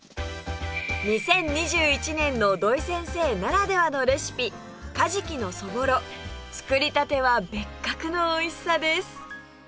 ２０２１年の土井先生ならではのレシピ作りたては別格のおいしさです